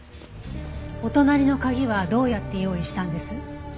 お隣の鍵はどうやって用意したんです？